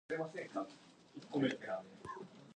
He has pursued this line of research ever since.